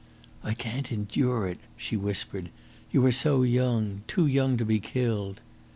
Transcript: "I can't endure it!" she whispered. "You are so young too young to be killed."